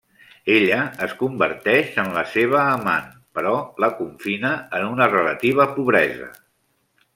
Ella es converteix en la seva amant, però la confina en una relativa pobresa.